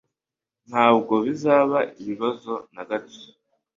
Ntabwo bizaba ikibazo na gato.